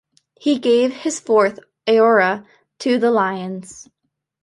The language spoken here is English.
He gave his fourth aura to the lions.